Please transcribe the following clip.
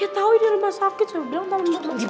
ya tau ini rumah sakit saya udah bilang tau